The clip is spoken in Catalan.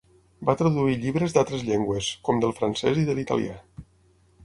Va traduir llibres d'altres llengües, com del francès i de l'italià.